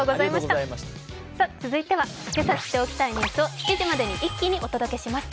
続いては、けさ知っておきたいニュースを７時まで一気にお届けします。